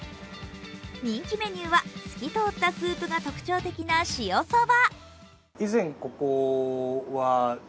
人気メニューは、透き通ったスープが特徴的な塩そば。